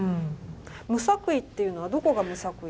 無作為っていうのはどこが無作為？